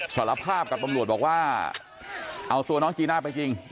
สารภาพกับตำรวจบอกว่าเอาตัวน้องจีน่าไปจริง